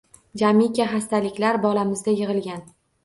Jamiki xastaliklar bolamizda yig`ilgan